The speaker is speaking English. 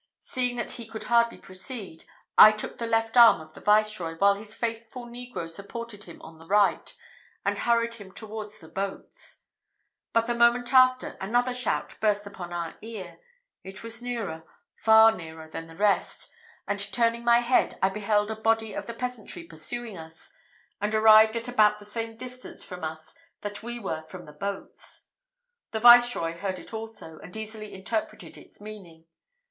Seeing that he could hardly proceed, I took the left arm of the viceroy, while his faithful negro supported him on the right, and hurried him towards the boats; but the moment after, another shout burst upon our ear. It was nearer far nearer than the rest; and turning my head, I beheld a body of the peasantry pursuing us, and arrived at about the same distance from us that we were from the boats. The Viceroy heard it also, and easily interpreted its meaning.